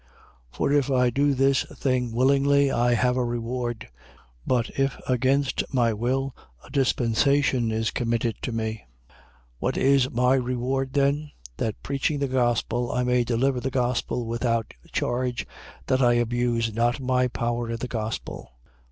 For if I do this thing willingly, I have a reward: but if against my will, a dispensation is committed to me. 9:18. What is my reward then? That preaching the gospel, I may deliver the gospel without charge, that I abuse not my power in the gospel.